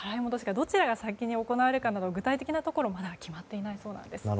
どちらが先に行われるかなど具体的なことはまだ決まっていないそうです。